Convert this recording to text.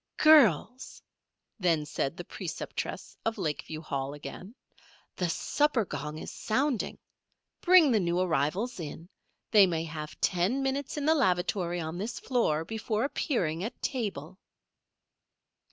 "Girls!" then said the preceptress of Lakeview Hall again. "The supper gong is sounding. Bring the new arrivals in. They may have ten minutes in the lavatory on this floor before appearing at table."